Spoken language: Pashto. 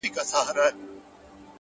o څخه چي څه ووايم څنگه درته ووايم چي،